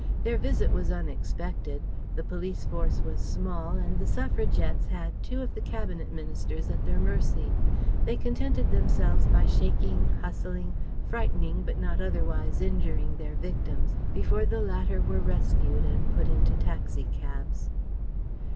Their visit was unexpected, the police force was small and the Suffragettes had two of the Cabinet Ministers at their mercy. They contented themselves by shaking, hustling, frightening but not otherwise injuring their victims before the latter were rescued and put into taxi cabs.